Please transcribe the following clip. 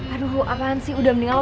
aduh apaan sih udah mendingan lo